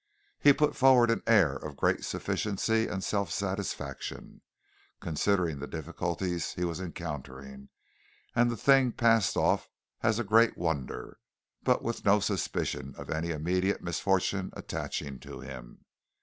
He put forward an air of great sufficiency and self satisfaction, considering the difficulties he was encountering, and the thing passed off as a great wonder, but with no suspicion of any immediate misfortune attaching to him.